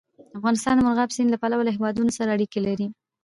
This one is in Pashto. افغانستان د مورغاب سیند له پلوه له هېوادونو سره اړیکې لري.